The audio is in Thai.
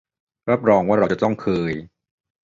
รับรองว่าเราจะต้องเคย